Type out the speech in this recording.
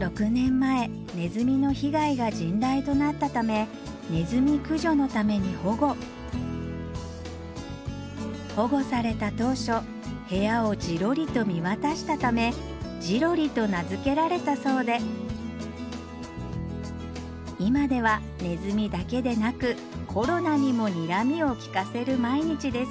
６年前ネズミの被害が甚大となったためネズミ駆除のために保護保護された当初部屋をジロリと見渡したため「ジロリ」と名付けられたそうで今ではネズミだけでなくコロナにも睨みを利かせる毎日です